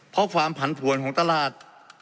เพราะความผันผวนของตลาด